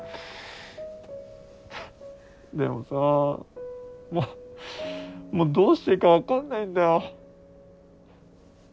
でもさもうどうしていいか分かんないんだよ。